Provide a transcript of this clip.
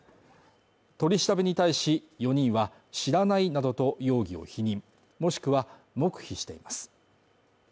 取り調べに対し、４人は知らないなどと容疑を否認もしくは黙秘しています。